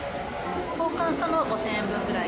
交換したのは５０００円分ぐらい。